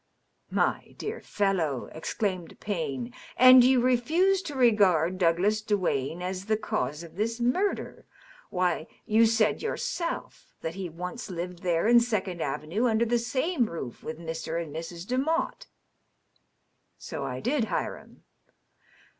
'^ My dear fellow !" exclaimed Payne. " And you refuse to regard Douglas Duane as the cause of this murder 1 Why, you said yourself that he once lived there in Second Avenue under the same roof with Mr. and Mrs. Demotte." " So I did, Hiram.